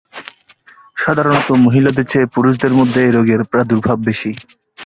সাধারণত মহিলাদের চেয়ে পুরুষদের মধ্যে এই রোগের প্রাদুর্ভাব বেশি।